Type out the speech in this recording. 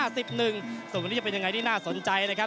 ส่วนวันนี้จะเป็นยังไงที่น่าสนใจนะครับ